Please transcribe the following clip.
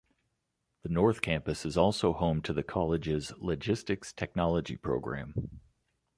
The North Campus is also home to the college's logistics technology program.